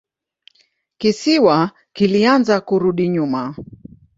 Kisiwa kilianza kurudi nyuma.